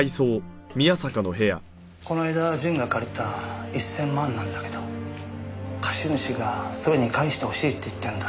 この間淳が借りた１０００万なんだけど貸主がすぐに返してほしいって言ってんだ。